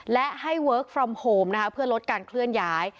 และให้เวิร์คฟรอมโฮมนะคะเพื่อลดการเคลื่อนย้าย